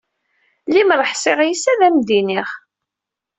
Limer ḥṣiƔ yes, ad am-d-iniƔ.